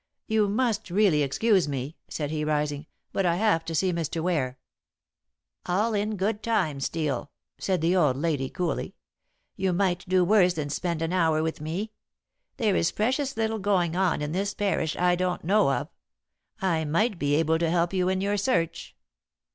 "You must really excuse me," said he, rising, "but I have to see Mr. Ware." "All in good time, Steel," said the old lady coolly. "You might do worse than spend an hour with me. There is precious little going on in this parish I don't know of. I might be able to help you in your search."